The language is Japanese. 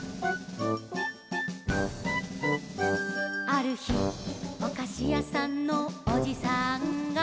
「あるひおかしやさんのおじさんが」